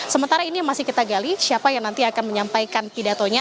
sementara ini yang masih kita gali siapa yang nanti akan menyampaikan pidatonya